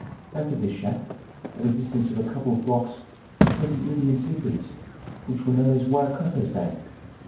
Back of this shack, at a distance of a couple of blocks were twenty Indian tepees, which were known as Wauqaucauthah's Band.